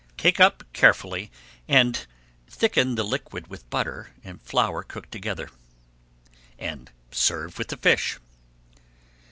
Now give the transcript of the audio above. Take up carefully, thicken the liquid with butter and flour cooked together, and serve with the fish.